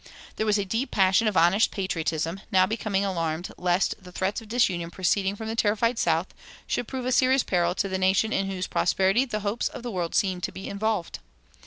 There was a deep passion of honest patriotism, now becoming alarmed lest the threats of disunion proceeding from the terrified South should prove a serious peril to the nation in whose prosperity the hopes of the world seemed to be involved.